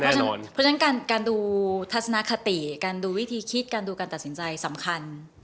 เพราะฉะนั้นการดูทัศนคติการดูวิธีคิดการดูการตัดสินใจสำคัญ